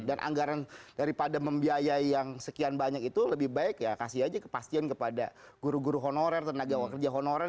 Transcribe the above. dan anggaran daripada membiayai yang sekian banyak itu lebih baik ya kasih aja kepastian kepada guru guru honorer tenaga pekerja honorer